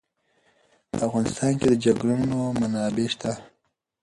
په افغانستان کې د چنګلونه منابع شته.